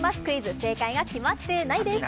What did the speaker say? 正解が決まってない！です。